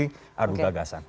kita harus berdagasan